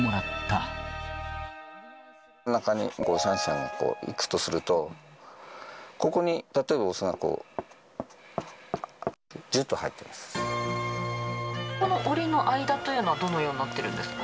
中にシャンシャンが行くとすると、ここに例えば雄がこう、ここのおりの間というのは、どのようになってるんですか？